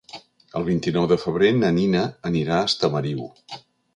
El vint-i-nou de febrer na Nina anirà a Estamariu.